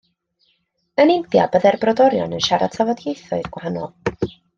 Yn India byddai'r brodorion yn siarad tafodieithoedd gwahanol.